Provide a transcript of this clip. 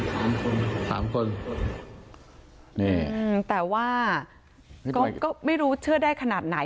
สามคนสามคนนี่อืมแต่ว่าก็ก็ไม่รู้เชื่อได้ขนาดไหน